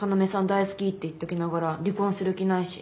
大好きって言っときながら離婚する気ないし。